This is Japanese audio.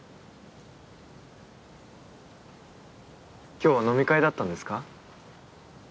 今日は飲み会だったんですか？